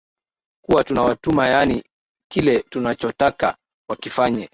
kuwa tuna watuma yaani kile tunachotaka wakifanye